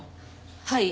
はい。